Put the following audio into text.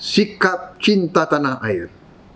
sikap cinta tanah air